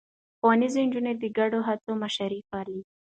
ښوونځی نجونې د ګډو هڅو مشري پالي.